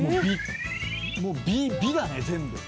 もう美だね全部。